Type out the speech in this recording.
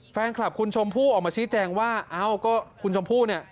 แฟนคลับคุณชมพู่ออกมาชี้แจงว่าเอ้าก็คุณชมพู่เนี่ย